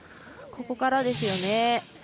ここからですよね。